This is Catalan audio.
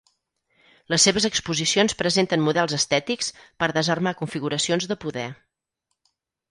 Les seves exposicions presenten models estètics per desarmar configuracions de poder.